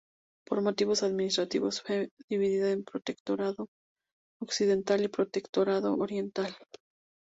Por motivos administrativos fue dividida en Protectorado Occidental y Protectorado Oriental.